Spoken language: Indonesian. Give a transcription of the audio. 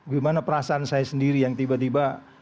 gimana perasaan saya sendiri yang tiba tiba